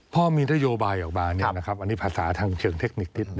พอมีนโดยบายออกมาเนี่ยนะครับ